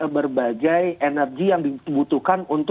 berbagai energi yang dibutuhkan